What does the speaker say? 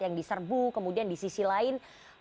yang diserbu kemudian di sisi lain